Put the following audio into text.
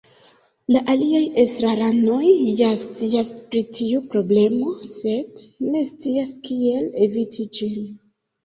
La aliaj estraranoj ja scias pri tiu problemo, sed ne scias kiel eviti ĝin.